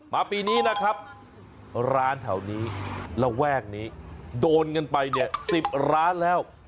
ปีนี้นะครับร้านแถวนี้ระแวกนี้โดนกันไปเนี่ย๑๐ร้านแล้ว